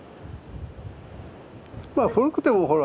まあ古くてもほら。